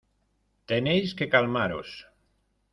Tenéis que calmaros.